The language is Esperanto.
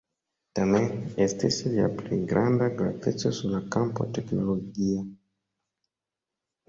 Tamen estis lia plej granda graveco sur la kampo teknologia!